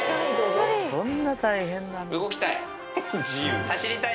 動きたい？